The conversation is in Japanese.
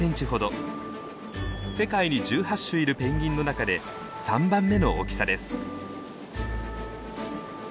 世界に１８種いるペンギンの中で３番目の大きさです。